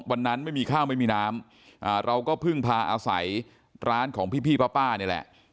วันนั้นไม่มีข้าวไม่มีน้ำเราก็พึ่งพาอาศัยร้านของพี่ป้านี่แหละ